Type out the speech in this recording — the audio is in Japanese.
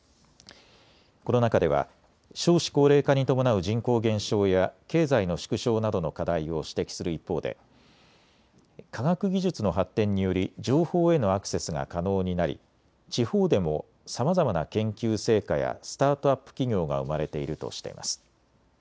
この中では少子高齢化に伴う人口減少や経済の縮小などの課題を指摘する一方で科学技術の発展により情報へのアクセスが可能になり地方でもさまざまな研究成果やスタートアップ企業が生まれているとしています。